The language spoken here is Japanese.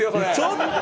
ちょっと！